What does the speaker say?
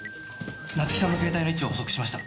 夏樹さんの携帯の位置を捕捉しました。